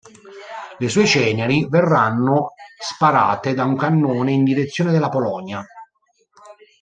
Le sue ceneri verranno sparate da un cannone in direzione della Polonia.